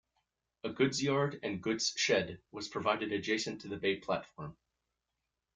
A goods yard and goods shed was provided adjacent to the bay platform.